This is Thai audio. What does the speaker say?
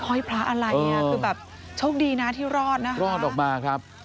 ห้อยพระอะไรอ่ะคือแบบโชคดีนะที่รอดนะคะรอดออกมาครับ